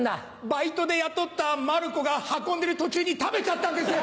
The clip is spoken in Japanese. バイトで雇った馬るこが運んでる途中に食べちゃったんです。